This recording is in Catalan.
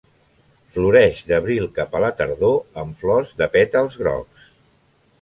Floreix d'abril cap a la tardor amb flors de pètals grocs.